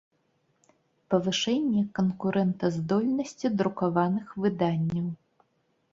Павышэнне канкурэнтаздольнасцi друкаваных выданняў.